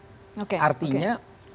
jangan sampai media mensos itu